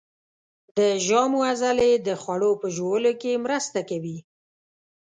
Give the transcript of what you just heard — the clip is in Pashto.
د ژامو عضلې د خوړو په ژوولو کې مرسته کوي.